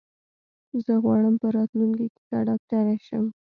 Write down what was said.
زه غواړم په راتلونکې کې ښه ډاکټر شم.